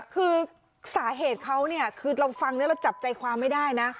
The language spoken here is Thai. คือสาเหตุเขาเนี่ยคือเราฟังแล้วเราจับใจความไม่ได้นะ